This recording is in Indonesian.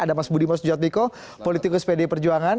ada mas budiman sujadmiko politikus pd perjuangan